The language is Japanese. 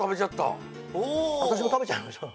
わたしも食べちゃいました。